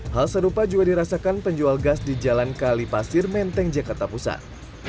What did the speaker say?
hal serupa juga dirasakan penjual gas di jalan kalipasir menteng jakarta pusat